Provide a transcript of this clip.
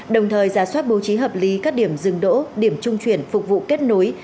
đồng thời giả soát bố trí hợp lý các điểm dừng đỗ điểm trung chuyển phục vụ kết nối